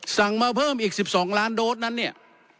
สั่งมาเพิ่มอีก๑๒ล้านโดสนั้นเนี่ย